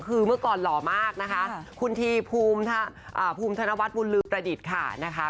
คือเมื่อก่อนหล่อมากนะคะคุณทีภูมิธนวัฒนบุญลือประดิษฐ์ค่ะนะคะ